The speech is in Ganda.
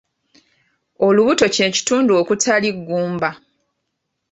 Olubuto kye kitundu okutali ggumba.